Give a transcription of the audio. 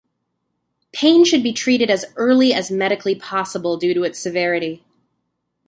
Pain should be treated as early as medically possible due to its severity.